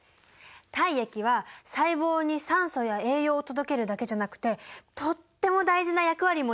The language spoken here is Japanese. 体液は細胞に酸素や栄養を届けるだけじゃなくてとっても大事な役割も担ってるんだから。